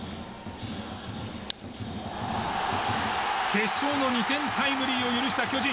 決勝の２点タイムリーを許した巨人。